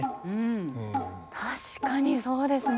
確かにそうですね。